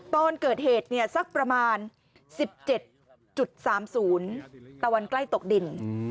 ตอนเกิดเหตุสักประมาณ๑๗๓๐ตะวันใกล้ตกดิน